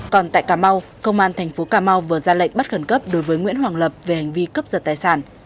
còn tại cà mau công an thành phố cà mau vừa ra lệnh bắt khẩn cấp đối với nguyễn hoàng lập về hành vi cướp giật tài sản